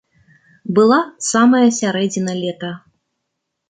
Была самая сярэдзіна лета.